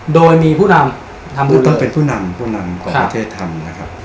โดยมีผู้นำทำผู้ต้องเป็นผู้นำผู้นำของประเทศทำนะครับ